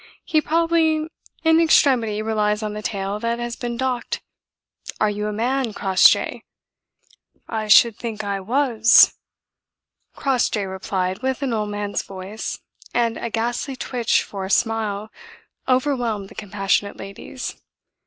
He probably in extremity relies on the tail that has been docked. Are you a man, Crossjay?" "I should think I was!" Crossjay replied, with an old man's voice, and a ghastly twitch for a smile overwhelmed the compassionate ladies.